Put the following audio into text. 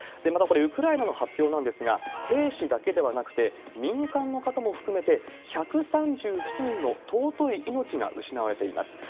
また、これウクライナの発表なんですが、兵士だけではなくて、民間の方も含めて、１３７人の尊い命が失われています。